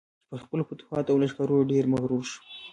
چې پر خپلو فتوحاتو او لښکرو ډېر مغرور شو.